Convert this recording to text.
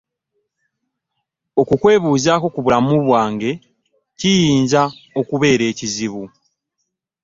Okukwebuzaako ku bulamu bwange kirinza okubeera ekizibu.